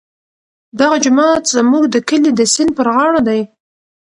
دغه جومات زموږ د کلي د سیند پر غاړه دی.